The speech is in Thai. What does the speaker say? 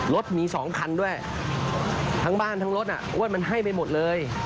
รถมี๒คันด้วยทั้งบ้านทั้งรถอ้วนมันให้ไปหมดเลย